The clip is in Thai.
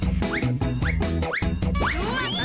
ชั่วตลอดตลาด